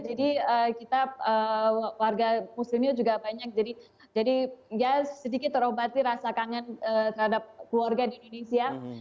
jadi kita warga muslimnya juga banyak jadi ya sedikit terobati rasa kangen terhadap keluarga di indonesia